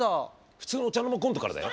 普通のお茶の間コントからだよ